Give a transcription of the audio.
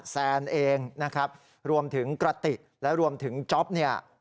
แซนเองนะครับรวมถึงกระติกและรวมถึงจ๊อปเนี่ย